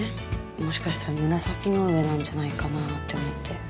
もしかしたら紫の上なんじゃないかなって思って。